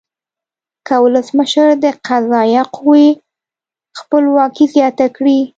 که ولسمشر د قضایه قوې خپلواکي زیانه کړي.